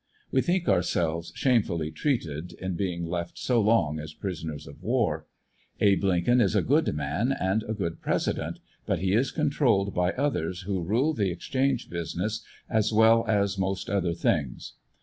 We think ourselves shamefully treated in being left so long as prisoners of war Abe Lincoln is a good man and a good pres ident, but he is controlled by others who rule the exchange business as well as most other things.